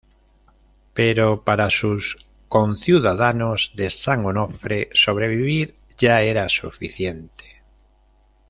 Pero, para sus conciudadanos de San Onofre, sobrevivir ya era suficiente.